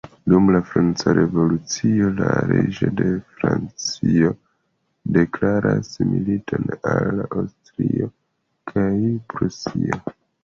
Dum la Franca Revolucio, la reĝo de Francio deklaras militon al Aŭstrio kaj Prusio.